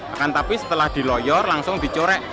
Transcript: akan tapi setelah diloyor langsung dicorek